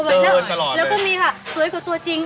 แล้วก็มีสวยกว่าตัวจริง